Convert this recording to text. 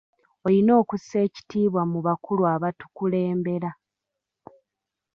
Oyina okussa ekitiibwa mu bakulu abatukulembera.